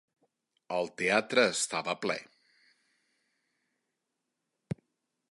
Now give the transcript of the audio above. El teatre estava ple.